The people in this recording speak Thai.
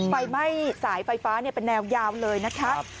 ไฟไหม้สายไฟฟ้าเป็นแนวยาวเลยนะคะ